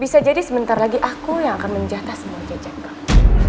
bisa jadi sebentar lagi aku yang akan menjata semua jajanan